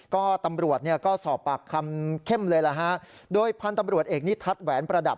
ก็ตำรวจเนี่ยก็สอบปากคำเข้มเลยล่ะฮะโดยพันธุ์ตำรวจเอกนิทัศน์แหวนประดับ